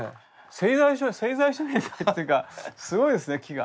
製材所製材所みたいというかすごいですね木が。